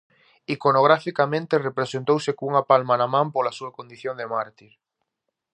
Iconograficamente representouse cunha palma na man, pola súa condición de mártir.